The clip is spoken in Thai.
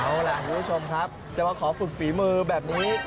เอาล่ะคุณผู้ชมครับจะมาขอฝึกฝีมือแบบนี้